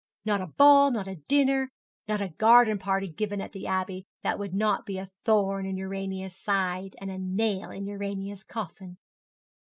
Not a ball, not a dinner, not a garden party given at the Abbey that would not be a thorn in Urania's side, a nail in Urania's coffin.